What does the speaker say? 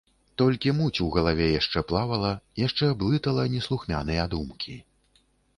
Толькі муць у галаве яшчэ плавала, яшчэ блытала неслухмяныя думкі.